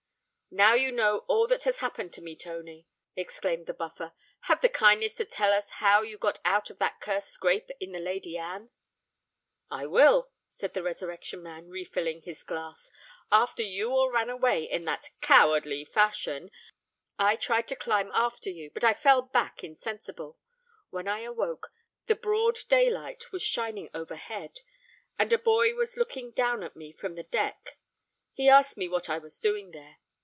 "Now you know all that has happened to me Tony," exclaimed the Buffer, "have the kindness to tell us how you got out of that cursed scrape in the Lady Anne." "I will," said the Resurrection Man, refilling his glass. "After you all ran away in that cowardly fashion, I tried to climb after you; but I fell back insensible. When I awoke, the broad day light was shining overhead; and a boy was looking down at me from the deck. He asked me what I was doing there.